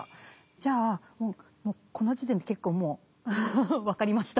じゃあもうもうこの時点で結構もう分かりました。